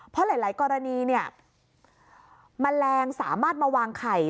เพราะหลายกรณีเนี่ยแมลงสามารถมาวางไข่